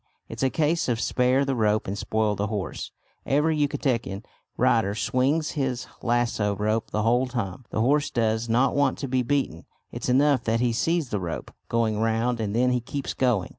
It's a case of spare the rope and spoil the horse. Every Yucatecan rider swings his lassoo rope the whole time. The horse does not want to be beaten; it's enough that he sees the rope going round, and then he keeps going.